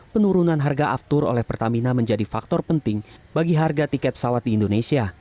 penurunan harga aftur oleh pertamina menjadi faktor penting bagi harga tiket pesawat di indonesia